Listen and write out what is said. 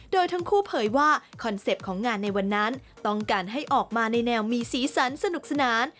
โดยทั้งคู่เผยว่าคอนเซ็ปต์ของงานในวันนั้นต้องการให้ออกมาในแนวมีสีสันสนุกสนาน